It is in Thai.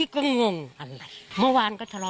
ค่ะ